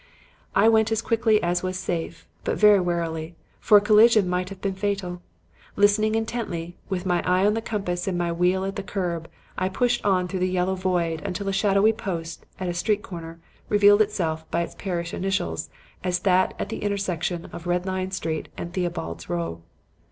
"I went as quickly as was safe, but very warily, for a collision might have been fatal. Listening intently, with my eye on the compass and my wheel at the curb, I pushed on through the yellow void until a shadowy post at a street corner revealed itself by its parish initials as that at the intersection of Red Lion Street and Theobald's Row.